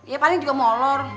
ya paling juga molor